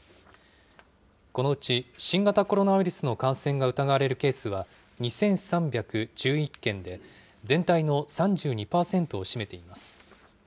このうち新型コロナウイルスの感染が疑われるケースは２３１１件で、全体の３２％を占めています。